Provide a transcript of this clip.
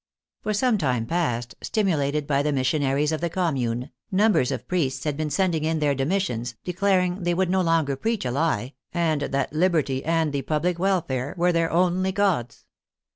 For some time past, stimulated by the mission aries of the Commune, numbers of priests had been send ing in their demissions, declaring they would no longer preach a lie, and that Liberty and the public welfare were their only gods.